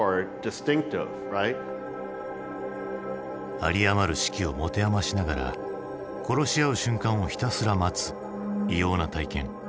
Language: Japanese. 有り余る士気を持て余しながら殺し合う瞬間をひたすら待つ異様な体験。